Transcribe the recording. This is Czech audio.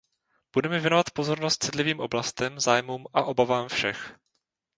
Budeme věnovat pozornost citlivým oblastem, zájmům a obavám všech.